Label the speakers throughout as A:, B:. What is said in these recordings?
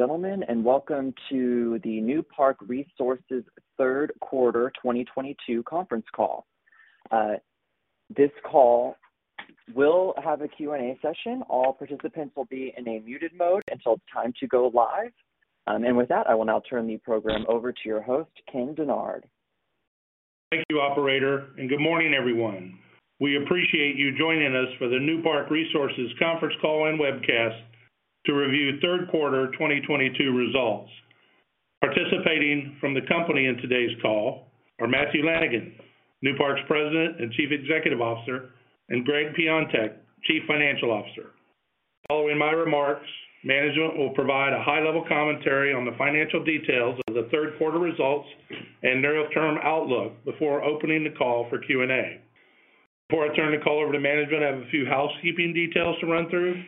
A: Good morning, ladies and gentlemen, and welcome to the Newpark Resources third quarter 2022 conference call. This call will have a Q&A session. All participants will be in a muted mode until it's time to go live. With that, I will now turn the program over to your host, Ken Dennard.
B: Thank you, operator, and good morning, everyone. We appreciate you joining us for the Newpark Resources conference call and webcast to review third quarter 2022 results. Participating from the company in today's call are Matthew Lanigan, Newpark's President and Chief Executive Officer, and Gregg Piontek, Chief Financial Officer. Following my remarks, management will provide a high-level commentary on the financial details of the third quarter results and near-term outlook before opening the call for Q&A. Before I turn the call over to management, I have a few housekeeping details to run through.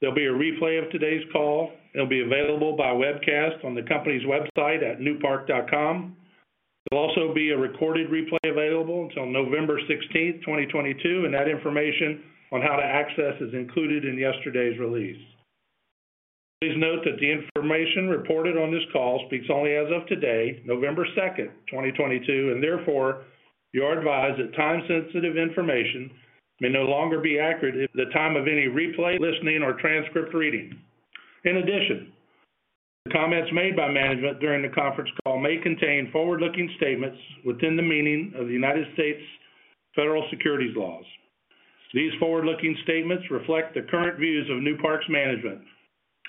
B: There'll be a replay of today's call. It'll be available by webcast on the company's website at newpark.com. There'll also be a recorded replay available until November 16, 2022, and that information on how to access is included in yesterday's release. Please note that the information reported on this call speaks only as of today, November 2, 2022, and therefore, you are advised that time-sensitive information may no longer be accurate at the time of any replay, listening, or transcript reading. In addition, the comments made by management during the conference call may contain forward-looking statements within the meaning of the United States federal securities laws. These forward-looking statements reflect the current views of Newpark's management.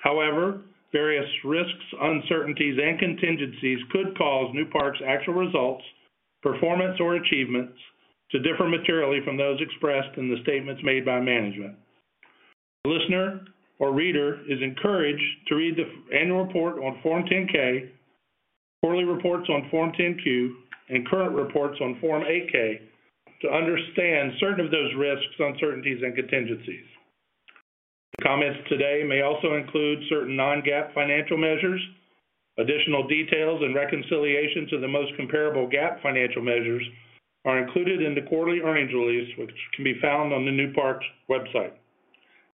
B: However, various risks, uncertainties, and contingencies could cause Newpark's actual results, performance, or achievements to differ materially from those expressed in the statements made by management. The listener or reader is encouraged to read the annual report on Form 10-K, quarterly reports on Form 10-Q, and current reports on Form 8-K to understand certain of those risks, uncertainties, and contingencies. The comments today may also include certain non-GAAP financial measures. Additional details and reconciliations of the most comparable GAAP financial measures are included in the quarterly earnings release, which can be found on the Newpark's website.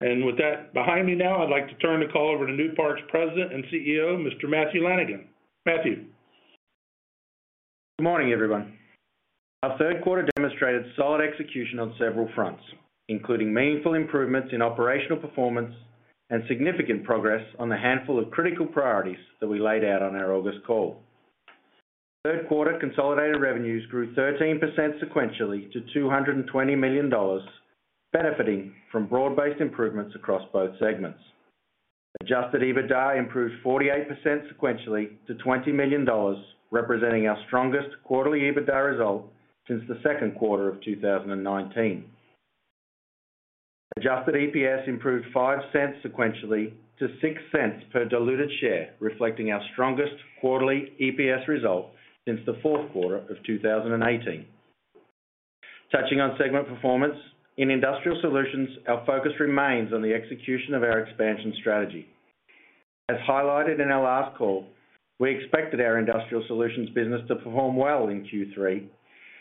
B: With that behind me now, I'd like to turn the call over to Newpark's President and CEO, Mr. Matthew Lanigan. Matthew.
C: Good morning, everyone. Our third quarter demonstrated solid execution on several fronts, including meaningful improvements in operational performance and significant progress on the handful of critical priorities that we laid out on our August call. Third quarter consolidated revenues grew 13% sequentially to $220 million, benefiting from broad-based improvements across both segments. Adjusted EBITDA improved 48% sequentially to $20 million, representing our strongest quarterly EBITDA result since the second quarter of 2019. Adjusted EPS improved $0.05 sequentially to $0.06 per diluted share, reflecting our strongest quarterly EPS result since the fourth quarter of 2018. Touching on segment performance, in Industrial Solutions, our focus remains on the execution of our expansion strategy. As highlighted in our last call, we expected our Industrial Solutions business to perform well in Q3,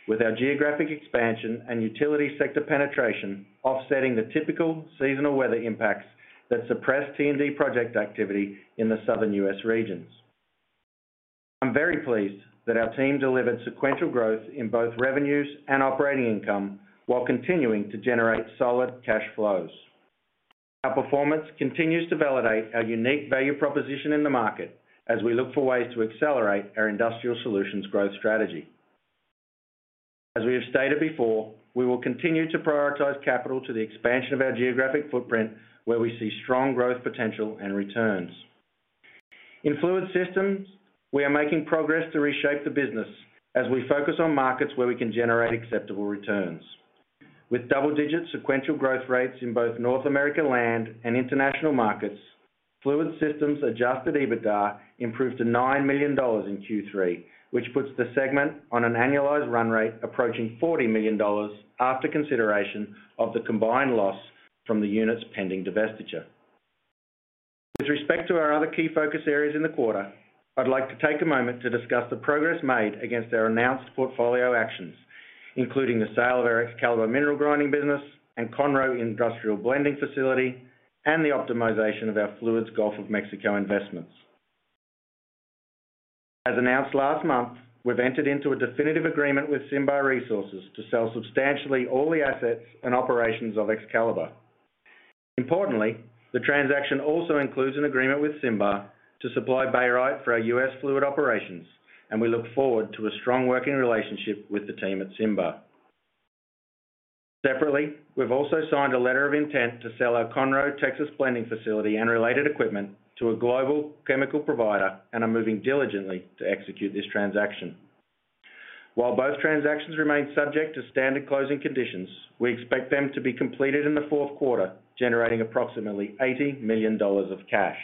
C: with our geographic expansion and utility sector penetration offsetting the typical seasonal weather impacts that suppress T&D project activity in the Southern U.S. regions. I'm very pleased that our team delivered sequential growth in both revenues and operating income while continuing to generate solid cash flows. Our performance continues to validate our unique value proposition in the market as we look for ways to accelerate our Industrial Solutions growth strategy. As we have stated before, we will continue to prioritize capital to the expansion of our geographic footprint, where we see strong growth potential and returns. In Fluids Systems, we are making progress to reshape the business as we focus on markets where we can generate acceptable returns. With double-digit sequential growth rates in both North America Land and international markets, Fluids Systems' Adjusted EBITDA improved to $9 million in Q3, which puts the segment on an annualized run rate approaching $40 million after consideration of the combined loss from the units pending divestiture. With respect to our other key focus areas in the quarter, I'd like to take a moment to discuss the progress made against our announced portfolio actions, including the sale of our Excalibar Mineral Grinding business and Conroe Industrial Blending facility, and the optimization of our Fluids Gulf of Mexico investments. As announced last month, we've entered into a definitive agreement with Cimbar Resources to sell substantially all the assets and operations of Excalibar. Importantly, the transaction also includes an agreement with Cimbar to supply barite for our U.S. Fluids operations, and we look forward to a strong working relationship with the team at Cimbar. Separately, we've also signed a letter of intent to sell our Conroe, Texas blending facility and related equipment to a global chemical provider and are moving diligently to execute this transaction. While both transactions remain subject to standard closing conditions, we expect them to be completed in the fourth quarter, generating approximately $80 million of cash.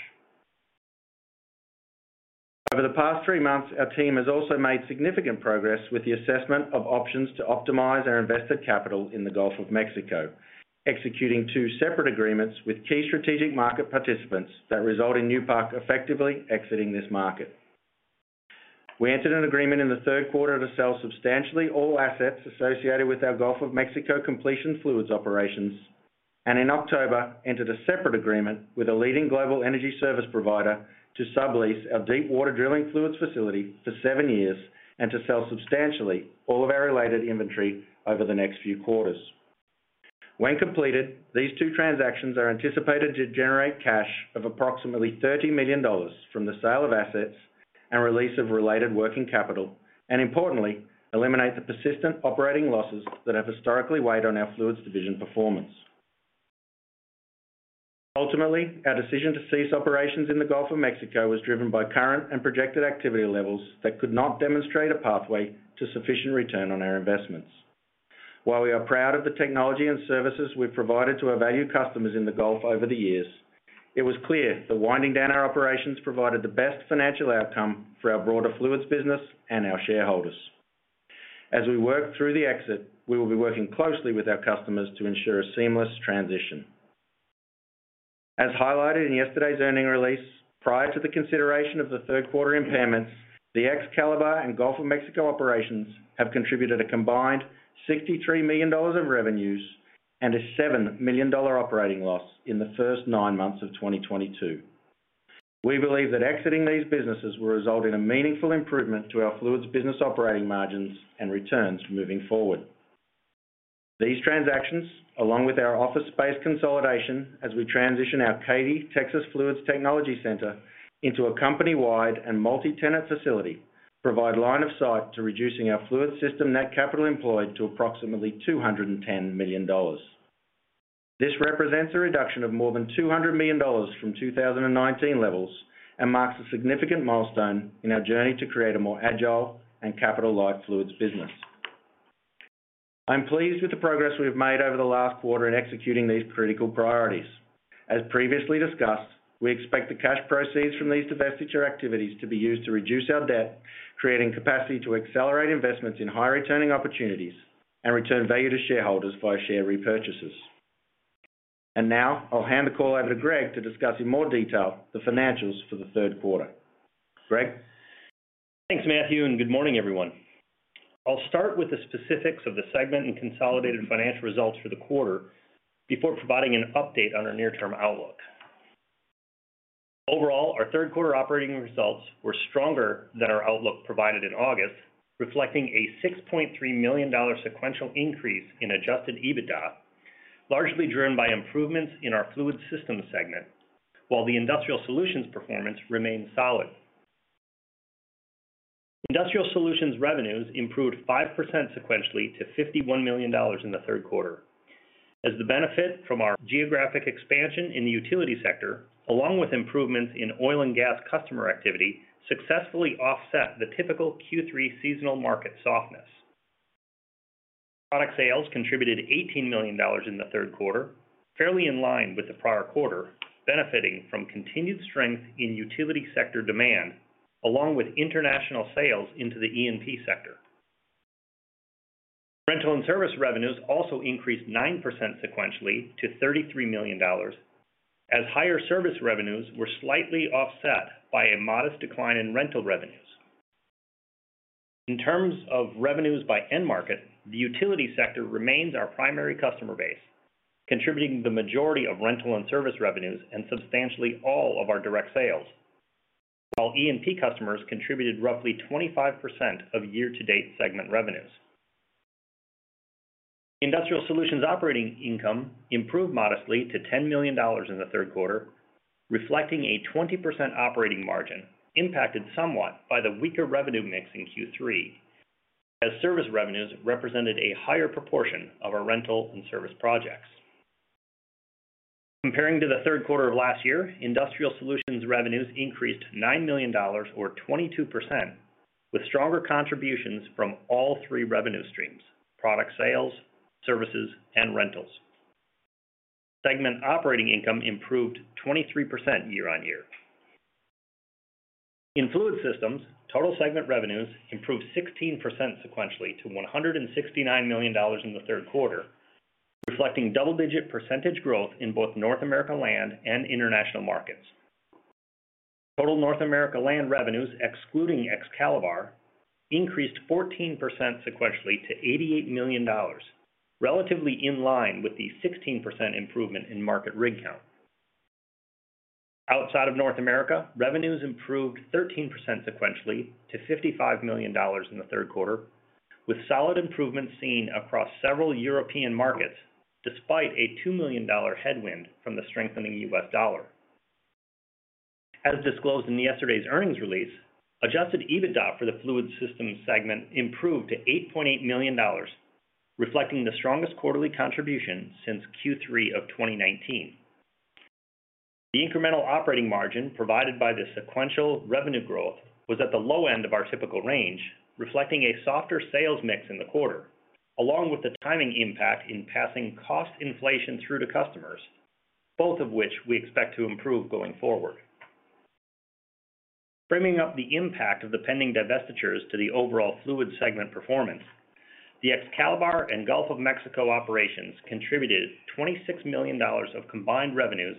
C: Over the past three months, our team has also made significant progress with the assessment of options to optimize our invested capital in the Gulf of Mexico, executing two separate agreements with key strategic market participants that result in Newpark effectively exiting this market. We entered an agreement in the third quarter to sell substantially all assets associated with our Gulf of Mexico completion fluids operations, and in October, entered a separate agreement with a leading global energy service provider to sublease our deepwater drilling fluids facility for seven years and to sell substantially all of our related inventory over the next few quarters. When completed, these two transactions are anticipated to generate cash of approximately $30 million from the sale of assets and release of related working capital, and importantly, eliminate the persistent operating losses that have historically weighed on our fluids division performance. Ultimately, our decision to cease operations in the Gulf of Mexico was driven by current and projected activity levels that could not demonstrate a pathway to sufficient return on our investments. While we are proud of the technology and services we've provided to our valued customers in the Gulf over the years, it was clear that winding down our operations provided the best financial outcome for our broader fluids business and our shareholders. As we work through the exit, we will be working closely with our customers to ensure a seamless transition. As highlighted in yesterday's earnings release, prior to the consideration of the third quarter impairments, the Excalibar and Gulf of Mexico operations have contributed a combined $63 million of revenues and a $7 million operating loss in the first nine months of 2022. We believe that exiting these businesses will result in a meaningful improvement to our Fluids business operating margins and returns moving forward. These transactions, along with our office space consolidation as we transition our Katy, Texas Fluids Technology Center into a company-wide and multi-tenant facility, provide line of sight to reducing our Fluids Systems net capital employed to approximately $210 million. This represents a reduction of more than $200 million from 2019 levels, and marks a significant milestone in our journey to create a more agile and capital-light Fluids business. I'm pleased with the progress we have made over the last quarter in executing these critical priorities. As previously discussed, we expect the cash proceeds from these divestiture activities to be used to reduce our debt, creating capacity to accelerate investments in high returning opportunities and return value to shareholders via share repurchases. Now I'll hand the call over to Gregg to discuss in more detail the financials for the third quarter. Gregg?
D: Thanks, Matthew, and good morning, everyone. I'll start with the specifics of the segment and consolidated financial results for the quarter before providing an update on our near-term outlook. Overall, our third quarter operating results were stronger than our outlook provided in August, reflecting a $6.3 million sequential increase in Adjusted EBITDA, largely driven by improvements in our Fluids Systems segment, while the Industrial Solutions performance remained solid. Industrial Solutions revenues improved 5% sequentially to $51 million in the third quarter. That's the benefit from our geographic expansion in the utility sector, along with improvements in oil and gas customer activity, successfully offset the typical Q3 seasonal market softness. Product sales contributed $18 million in the third quarter, fairly in line with the prior quarter, benefiting from continued strength in utility sector demand, along with international sales into the E&P sector. Rental and service revenues also increased 9% sequentially to $33 million, as higher service revenues were slightly offset by a modest decline in rental revenues. In terms of revenues by end market, the utility sector remains our primary customer base, contributing the majority of rental and service revenues and substantially all of our direct sales. E&P customers contributed roughly 25% of year-to-date segment revenues. Industrial Solutions operating income improved modestly to $10 million in the third quarter, reflecting a 20% operating margin impacted somewhat by the weaker revenue mix in Q3, as service revenues represented a higher proportion of our rental and service projects. Comparing to the third quarter of last year, Industrial Solutions revenues increased $9 million or 22%, with stronger contributions from all three revenue streams: product sales, services, and rentals. Segment operating income improved 23% year-on-year. In Fluid Systems, total segment revenues improved 16% sequentially to $169 million in the third quarter, reflecting double-digit % growth in both North America land and international markets. Total North America land revenues excluding Excalibar increased 14% sequentially to $88 million, relatively in line with the 16% improvement in market rig count. Outside of North America, revenues improved 13% sequentially to $55 million in the third quarter, with solid improvements seen across several European markets despite a $2 million headwind from the strengthening U.S. dollar. As disclosed in yesterday's earnings release, Adjusted EBITDA for the Fluid Systems segment improved to $8.8 million, reflecting the strongest quarterly contribution since Q3 of 2019. The incremental operating margin provided by the sequential revenue growth was at the low end of our typical range, reflecting a softer sales mix in the quarter, along with the timing impact in passing cost inflation through to customers, both of which we expect to improve going forward. Framing up the impact of the pending divestitures to the overall Fluids Systems segment performance. The Excalibar and Gulf of Mexico operations contributed $26 million of combined revenues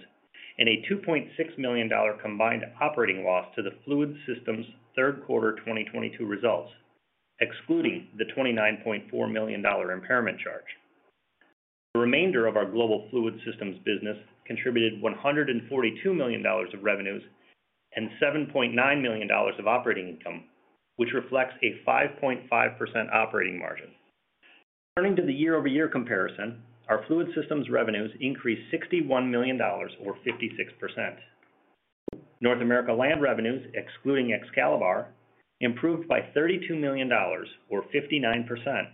D: and a $2.6 million combined operating loss to the Fluids Systems third quarter 2022 results, excluding the $29.4 million impairment charge. The remainder of our Global Fluids Systems business contributed $142 million of revenues and $7.9 million of operating income, which reflects a 5.5% operating margin. Turning to the year-over-year comparison, our Fluids Systems revenues increased $61 million or 56%. North America Land revenues, excluding Excalibar, improved by $32 million or 59%,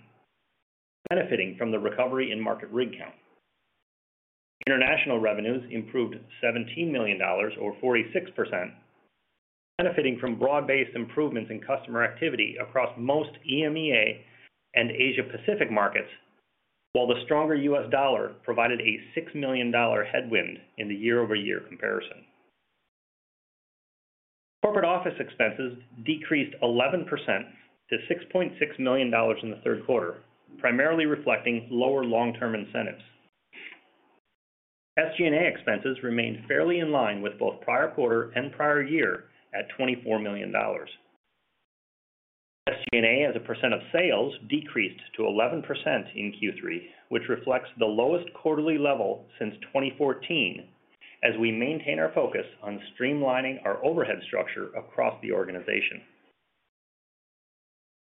D: benefiting from the recovery in market rig count. International revenues improved $17 million or 46%, benefiting from broad-based improvements in customer activity across most EMEA and Asia-Pacific markets. While the stronger U.S. dollar provided a $6 million headwind in the year-over-year comparison. Corporate office expenses decreased 11% to $6.6 million in the third quarter, primarily reflecting lower long-term incentives. SG&A expenses remained fairly in line with both prior quarter and prior year at $24 million. SG&A, as a % of sales, decreased to 11% in Q3, which reflects the lowest quarterly level since 2014 as we maintain our focus on streamlining our overhead structure across the organization.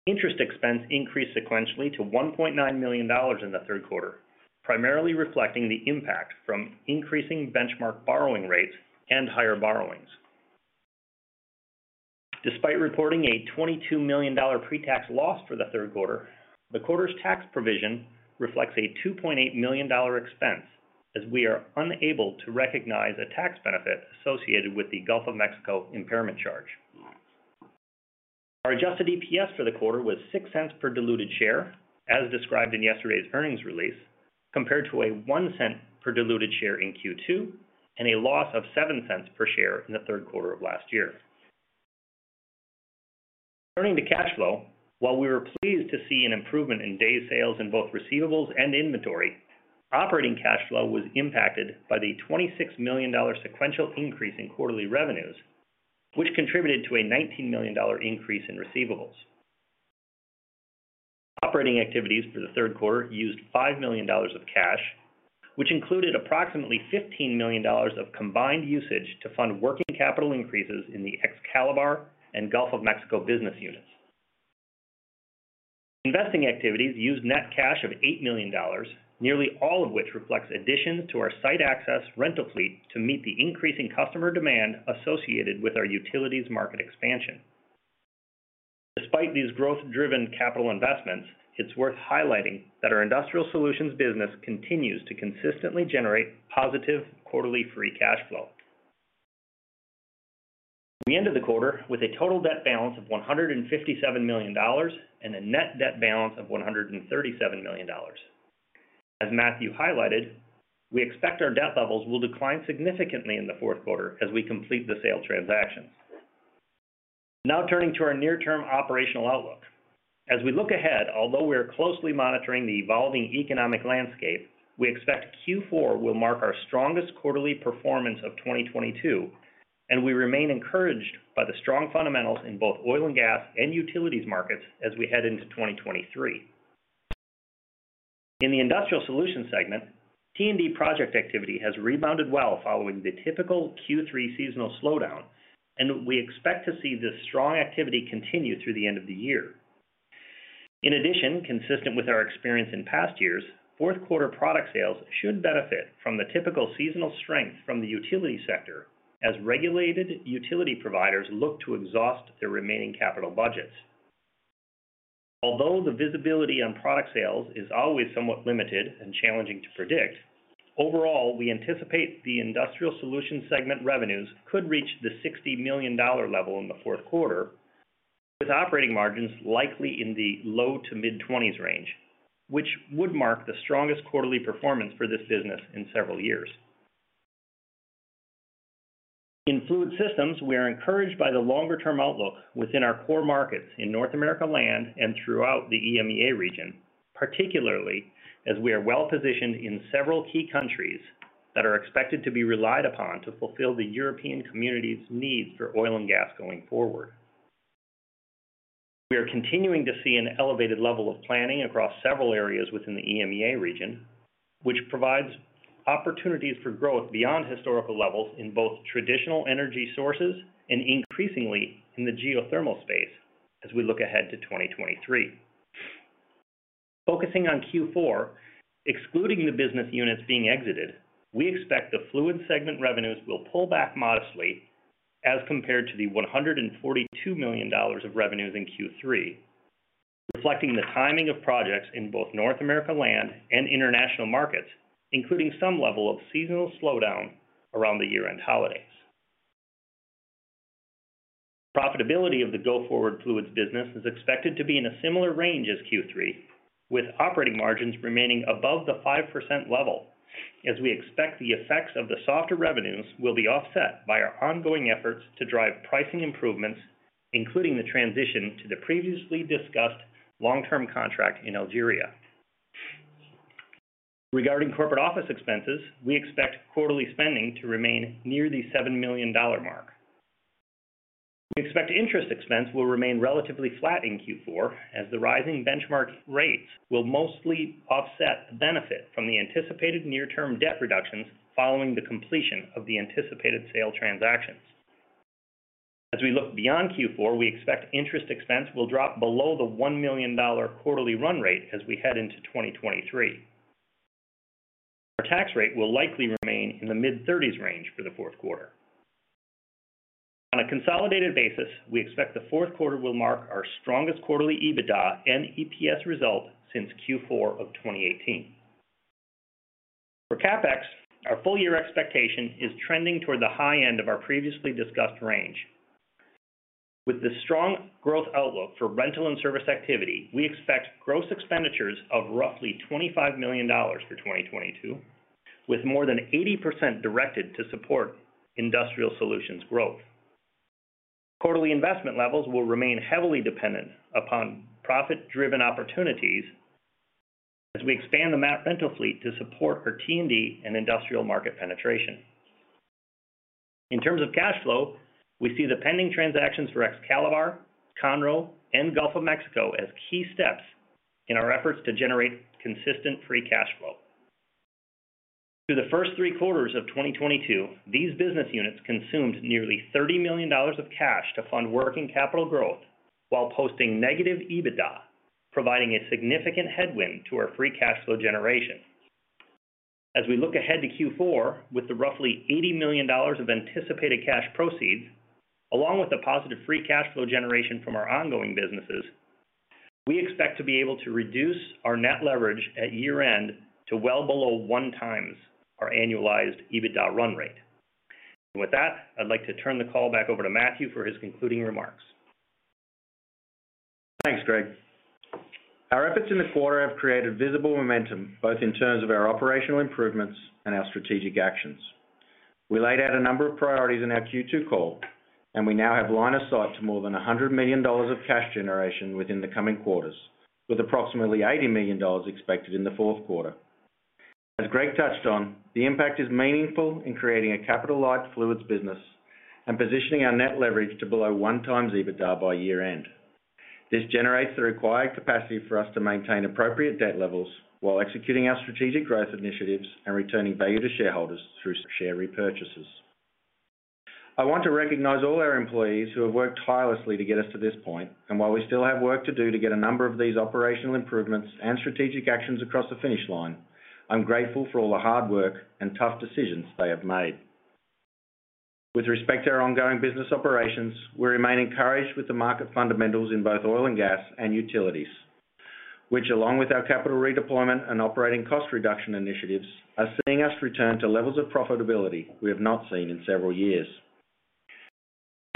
D: Interest expense increased sequentially to $1.9 million in the third quarter, primarily reflecting the impact from increasing benchmark borrowing rates and higher borrowings. Despite reporting a $22 million pre-tax loss for the third quarter, the quarter's tax provision reflects a $2.8 million expense, as we are unable to recognize a tax benefit associated with the Gulf of Mexico impairment charge. Our Adjusted EPS for the quarter was $0.06 per diluted share, as described in yesterday's earnings release, compared to $0.01 per diluted share in Q2 and a loss of $0.07 per share in the third quarter of last year. Turning to cash flow, while we were pleased to see an improvement in days sales in both receivables and inventory, operating cash flow was impacted by the $26 million sequential increase in quarterly revenues, which contributed to a $19 million increase in receivables. Operating activities for the third quarter used $5 million of cash, which included approximately $15 million of combined usage to fund working capital increases in the Excalibar and Gulf of Mexico business units. Investing activities used net cash of $8 million, nearly all of which reflects additions to our site access rental fleet to meet the increasing customer demand associated with our utilities market expansion. Despite these growth-driven capital investments, it's worth highlighting that our Industrial Solutions business continues to consistently generate positive quarterly Free Cash Flow. We ended the quarter with a total debt balance of $157 million and a net debt balance of $137 million. As Matthew highlighted, we expect our debt levels will decline significantly in the fourth quarter as we complete the sale transactions. Now turning to our near-term operational outlook. As we look ahead, although we are closely monitoring the evolving economic landscape, we expect Q4 will mark our strongest quarterly performance of 2022, and we remain encouraged by the strong fundamentals in both oil and gas and utilities markets as we head into 2023. In the Industrial Solutions segment, T&D project activity has rebounded well following the typical Q3 seasonal slowdown, and we expect to see this strong activity continue through the end of the year. In addition, consistent with our experience in past years, fourth quarter product sales should benefit from the typical seasonal strength from the utility sector as regulated utility providers look to exhaust their remaining capital budgets. Although the visibility on product sales is always somewhat limited and challenging to predict, overall, we anticipate the Industrial Solutions segment revenues could reach the $60 million level in the fourth quarter, with operating margins likely in the low- to mid-20s% range, which would mark the strongest quarterly performance for this business in several years. In Fluids Systems, we are encouraged by the longer-term outlook within our core markets in North America Land and throughout the EMEA region, particularly as we are well positioned in several key countries that are expected to be relied upon to fulfill the European community's needs for oil and gas going forward. We are continuing to see an elevated level of planning across several areas within the EMEA region, which provides opportunities for growth beyond historical levels in both traditional energy sources and increasingly in the geothermal space as we look ahead to 2023. Focusing on Q4, excluding the business units being exited, we expect the Fluids segment revenues will pull back modestly as compared to the $142 million of revenues in Q3, reflecting the timing of projects in both North America Land and international markets, including some level of seasonal slowdown around the year-end holidays. Profitability of the go-forward Fluids business is expected to be in a similar range as Q3, with operating margins remaining above the 5% level. As we expect the effects of the softer revenues will be offset by our ongoing efforts to drive pricing improvements, including the transition to the previously discussed long-term contract in Algeria. Regarding corporate office expenses, we expect quarterly spending to remain near the $7 million mark. We expect interest expense will remain relatively flat in Q4 as the rising benchmark rates will mostly offset the benefit from the anticipated near-term debt reductions following the completion of the anticipated sale transactions. As we look beyond Q4, we expect interest expense will drop below the $1 million quarterly run rate as we head into 2023. Our tax rate will likely remain in the mid-30s range for the fourth quarter. On a consolidated basis, we expect the fourth quarter will mark our strongest quarterly EBITDA and EPS result since Q4 of 2018. For CapEx, our full year expectation is trending toward the high end of our previously discussed range. With the strong growth outlook for rental and service activity, we expect gross expenditures of roughly $25 million for 2022, with more than 80% directed to support Industrial Solutions growth. Quarterly investment levels will remain heavily dependent upon profit-driven opportunities as we expand the mat rental fleet to support our T&D and industrial market penetration. In terms of cash flow, we see the pending transactions for Excalibar, Conroe, and Gulf of Mexico as key steps in our efforts to generate consistent Free Cash Flow. Through the first three quarters of 2022, these business units consumed nearly $30 million of cash to fund working capital growth while posting -EBITDA, providing a significant headwind to our Free Cash Flow generation. As we look ahead to Q4, with the roughly $80 million of anticipated cash proceeds, along with the positive Free Cash Flow generation from our ongoing businesses, we expect to be able to reduce our net leverage at year-end to well below 1x our annualized EBITDA run rate. With that, I'd like to turn the call back over to Matthew for his concluding remarks.
C: Thanks, Gregg. Our efforts in the quarter have created visible momentum, both in terms of our operational improvements and our strategic actions. We laid out a number of priorities in our Q2 call, and we now have line of sight to more than $100 million of cash generation within the coming quarters, with approximately $80 million expected in the fourth quarter. As Gregg touched on, the impact is meaningful in creating a capital-light fluids business and positioning our net leverage to below 1x EBITDA by year-end. This generates the required capacity for us to maintain appropriate debt levels while executing our strategic growth initiatives and returning value to shareholders through share repurchases. I want to recognize all our employees who have worked tirelessly to get us to this point. While we still have work to do to get a number of these operational improvements and strategic actions across the finish line, I'm grateful for all the hard work and tough decisions they have made. With respect to our ongoing business operations, we remain encouraged with the market fundamentals in both oil and gas and utilities, which, along with our capital redeployment and operating cost reduction initiatives, are seeing us return to levels of profitability we have not seen in several years.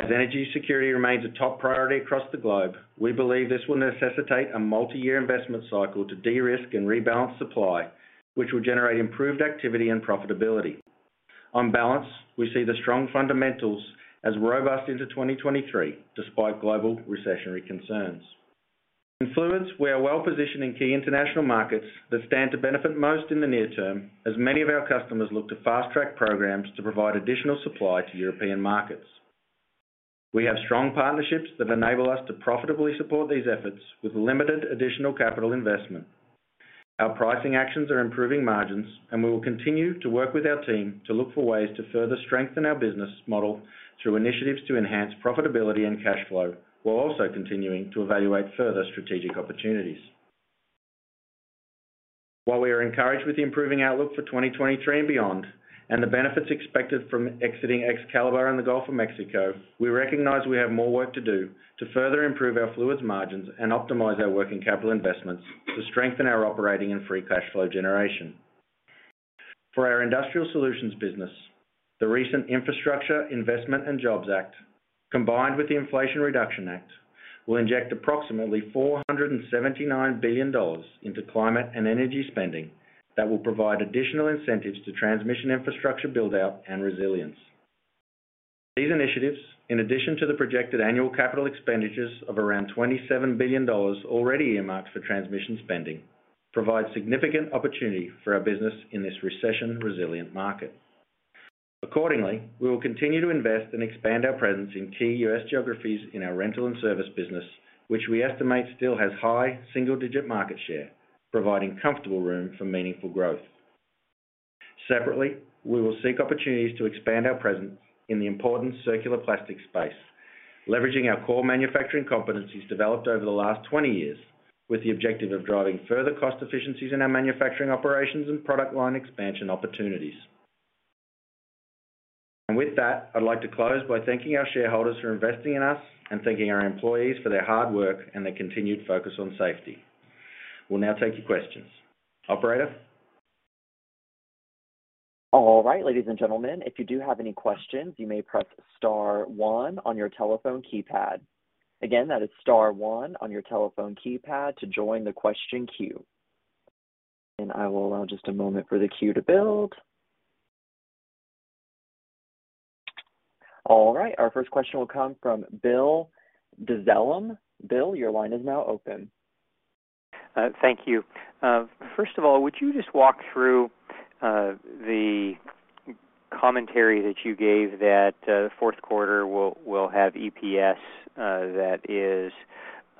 C: As energy security remains a top priority across the globe, we believe this will necessitate a multi-year investment cycle to de-risk and rebalance supply, which will generate improved activity and profitability. On balance, we see the strong fundamentals as robust into 2023 despite global recessionary concerns. In Fluids, we are well positioned in key international markets that stand to benefit most in the near term, as many of our customers look to fast-track programs to provide additional supply to European markets. We have strong partnerships that enable us to profitably support these efforts with limited additional capital investment. Our pricing actions are improving margins, and we will continue to work with our team to look for ways to further strengthen our business model through initiatives to enhance profitability and cash flow, while also continuing to evaluate further strategic opportunities. While we are encouraged with the improving outlook for 2023 and beyond, and the benefits expected from exiting Excalibar and the Gulf of Mexico, we recognize we have more work to do to further improve our Fluids margins and optimize our working capital investments to strengthen our operating and Free Cash Flow generation. For our Industrial Solutions business, the recent Infrastructure Investment and Jobs Act, combined with the Inflation Reduction Act, will inject approximately $479 billion into climate and energy spending that will provide additional incentives to transmission infrastructure build-out and resilience. These initiatives, in addition to the projected annual capital expenditures of around $27 billion already earmarked for transmission spending, provide significant opportunity for our business in this recession-resilient market. Accordingly, we will continue to invest and expand our presence in key U.S. geographies in our rental and service business, which we estimate still has high single-digit market share, providing comfortable room for meaningful growth. Separately, we will seek opportunities to expand our presence in the important circular plastic space, leveraging our core manufacturing competencies developed over the last 20 years with the objective of driving further cost efficiencies in our manufacturing operations and product line expansion opportunities. With that, I'd like to close by thanking our shareholders for investing in us and thanking our employees for their hard work and their continued focus on safety. We'll now take your questions. Operator?
A: All right, ladies and gentlemen, if you do have any questions, you may press star one on your telephone keypad. Again, that is star one on your telephone keypad to join the question queue. I will allow just a moment for the queue to build. All right, our first question will come from Bill Dezellem. Bill, your line is now open.
E: First of all, would you just walk through the commentary that you gave that fourth quarter will have EPS that is,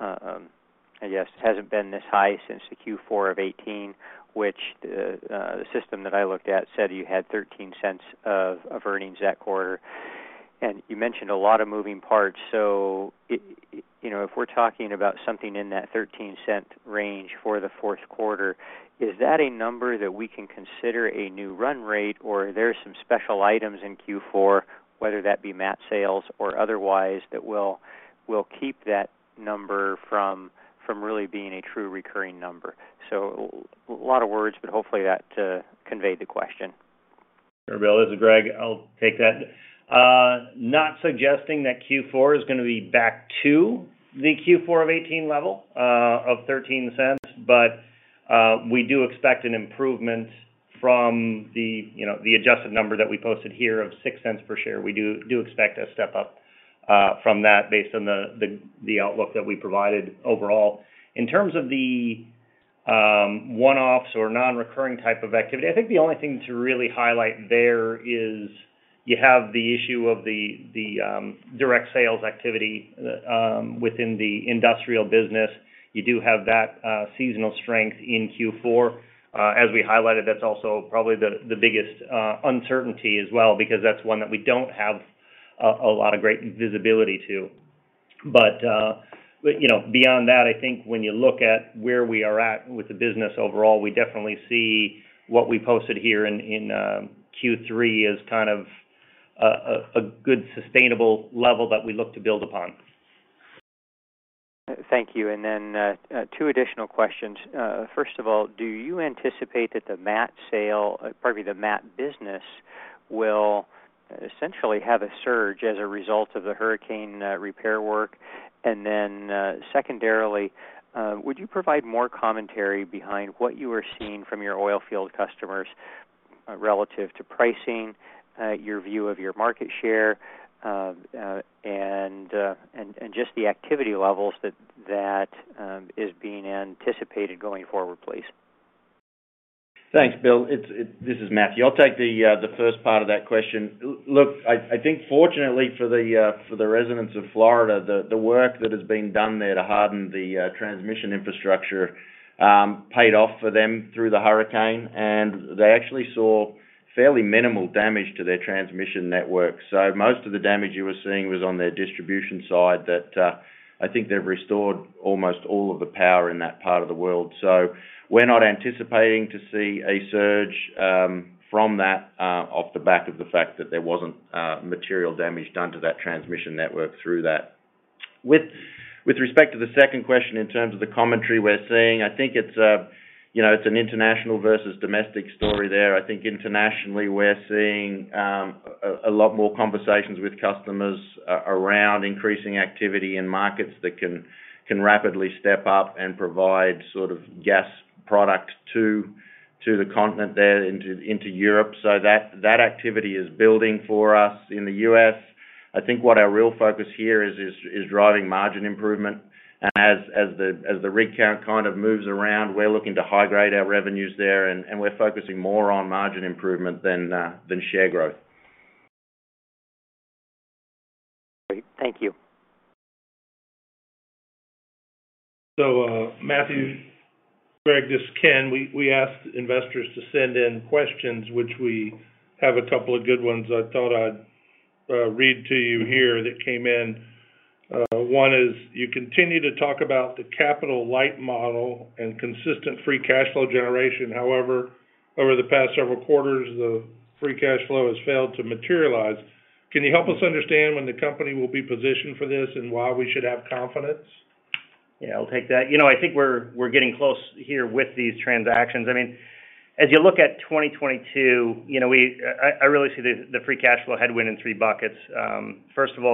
E: I guess, hasn't been this high since the Q4 of 2018, which the system that I looked at said you had $0.13 of earnings that quarter. You mentioned a lot of moving parts. You know, if we're talking about something in that $0.13 range for the fourth quarter, is that a number that we can consider a new run rate, or are there some special items in Q4, whether that be mat sales or otherwise, that will keep that number from really being a true recurring number? A lot of words, but hopefully that conveyed the question.
D: Sure, Bill. This is Greg. I'll take that. Not suggesting that Q4 is gonna be back to the Q4 of 2018 level of $0.13. We do expect an improvement from you know the adjusted number that we posted here of $0.06 per share. We do expect a step up from that based on the outlook that we provided overall. In terms of the one-offs or non-recurring type of activity, I think the only thing to really highlight there is you have the issue of the direct sales activity within the industrial business. You do have that seasonal strength in Q4. As we highlighted, that's also probably the biggest uncertainty as well because that's one that we don't have a lot of great visibility to. You know, beyond that, I think when you look at where we are at with the business overall, we definitely see what we posted here in Q3 as kind of a good sustainable level that we look to build upon.
E: Thank you. Two additional questions. First of all, do you anticipate that the mat business will essentially have a surge as a result of the hurricane repair work? Secondarily, would you provide more commentary behind what you are seeing from your oil field customers relative to pricing, your view of your market share, and just the activity levels that is being anticipated going forward, please?
C: Thanks, Bill. This is Matthew. I'll take the first part of that question. Look, I think fortunately for the residents of Florida, the work that has been done there to harden the transmission infrastructure paid off for them through the hurricane, and they actually saw fairly minimal damage to their transmission network. Most of the damage you were seeing was on their distribution side that I think they've restored almost all of the power in that part of the world. We're not anticipating to see a surge from that off the back of the fact that there wasn't material damage done to that transmission network through that. With respect to the second question in terms of the commentary we're seeing, I think it's, you know, it's an international versus domestic story there. I think internationally we're seeing a lot more conversations with customers around increasing activity in markets that can rapidly step up and provide sort of gas products to the continent there into Europe. That activity is building for us. In the U.S., I think what our real focus here is driving margin improvement. As the rig count kind of moves around, we're looking to high grade our revenues there, and we're focusing more on margin improvement than share growth.
E: Great. Thank you.
B: Matthew, Greg, this is Ken. We asked investors to send in questions, which we have a couple of good ones I thought I'd read to you here that came in. One is, you continue to talk about the capital light model and consistent Free Cash Flow generation. However, over the past several quarters, the Free Cash Flow has failed to materialize. Can you help us understand when the company will be positioned for this and why we should have confidence?
D: Yeah, I'll take that. You know, I think we're getting close here with these transactions. I mean, as you look at 2022, you know, I really see the Free Cash Flow headwind in three buckets. First of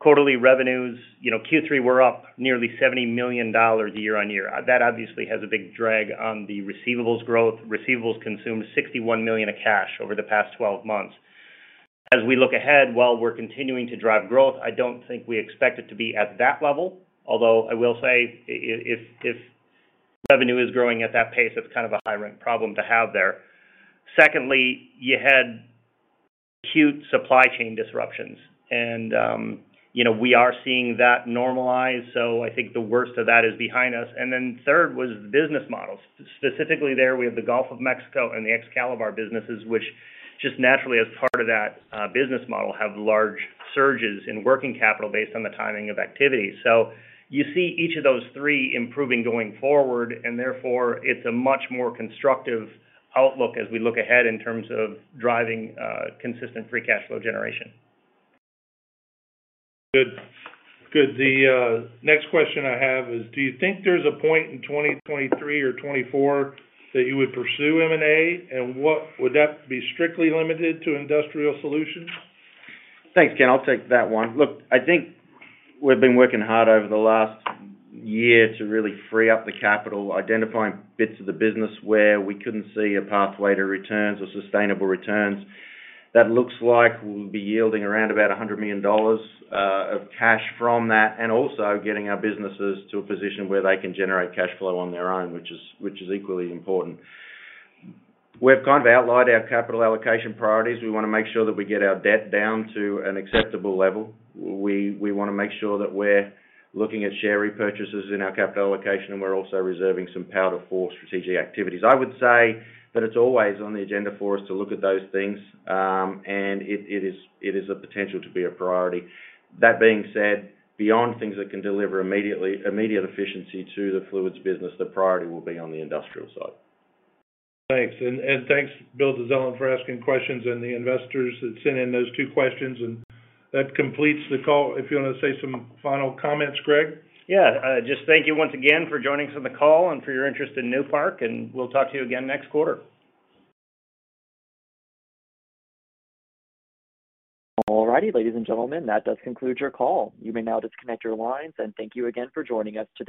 D: all, quarterly revenues. You know, Q3, we're up nearly $70 million year-over-year. That obviously has a big drag on the receivables growth. Receivables consumed $61 million of cash over the past 12 months. As we look ahead, while we're continuing to drive growth, I don't think we expect it to be at that level. Although I will say if revenue is growing at that pace, that's kind of a high rent problem to have there. Secondly, you had acute supply chain disruptions. You know, we are seeing that normalize. I think the worst of that is behind us. Third was the business models. Specifically there, we have the Gulf of Mexico and the Excalibar businesses, which just naturally, as part of that business model, have large surges in working capital based on the timing of activity. You see each of those three improving going forward, and therefore it's a much more constructive outlook as we look ahead in terms of driving consistent Free Cash Flow generation.
B: Good. The next question I have is: Do you think there's a point in 2023 or 2024 that you would pursue M&A, and what would that be strictly limited to Industrial Solutions?
C: Thanks, Ken. I'll take that one. Look, I think we've been working hard over the last year to really free up the capital, identifying bits of the business where we couldn't see a pathway to returns or sustainable returns. That looks like we'll be yielding around about $100 million of cash from that, and also getting our businesses to a position where they can generate cash flow on their own, which is equally important. We've kind of outlined our capital allocation priorities. We wanna make sure that we get our debt down to an acceptable level. We wanna make sure that we're looking at share repurchases in our capital allocation, and we're also reserving some power for strategic activities. I would say that it's always on the agenda for us to look at those things. It is a potential to be a priority. That being said, beyond things that can deliver immediate efficiency to the fluids business, the priority will be on the industrial side.
B: Thanks. Thanks, Bill Dezellem, for asking questions and the investors that sent in those two questions. That completes the call. If you wanna say some final comments, Gregg?
D: Yeah. Just thank you once again for joining us on the call and for your interest in Newpark, and we'll talk to you again next quarter.
A: All righty, ladies and gentlemen, that does conclude your call. You may now disconnect your lines, and thank you again for joining us today.